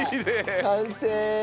完成。